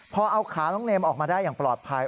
พอเอาขาน้องเนมออกมาได้อย่างปลอดภัย